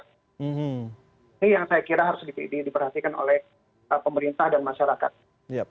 ini yang saya kira harus diperhatikan oleh pemerintah dan masyarakat